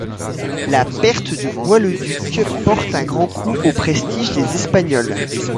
La perte de Bois-le-Duc porte un grand coup au prestige des Espagnols.